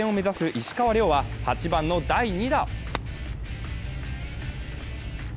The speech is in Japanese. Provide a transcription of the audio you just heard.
石川遼は、８番の第２打。